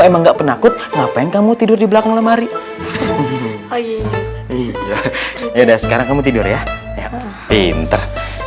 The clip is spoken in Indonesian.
emang gak penakut ngapain kamu tidur di belakang lemari yaudah sekarang kamu tidur ya pinter